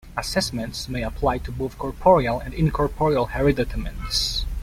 Assessments may apply to both corporeal and incorporeal hereditaments.